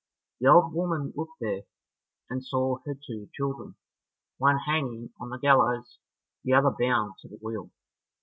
The old woman looked there, and saw her two children, one hanging on the gallows, the other bound to the wheel.